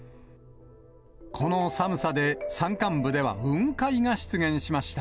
この寒さで山間部では雲海が出現しました。